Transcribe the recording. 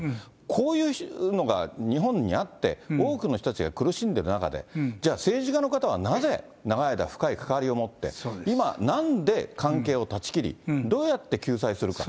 こういうのが日本にあって、多くの人たちが苦しんでいる中で、じゃあ、政治家の方はなぜ、長い間、深い関わりを持って、今、なんで関係を断ち切り、どうやって救済するか。